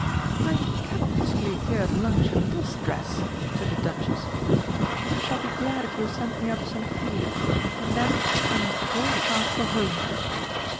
"I cannot possibly appear at lunch in this dress," said the Duchess; "but I shall be glad if you will send me up some food, and then I must really start for home."